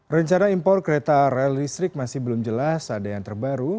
rencana impor kereta rel listrik masih belum jelas ada yang terbaru